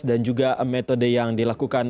dan juga metode yang dilakukan